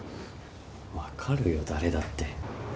分かるよ誰だって。